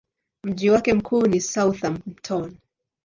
Mji wake mkuu ni Southampton.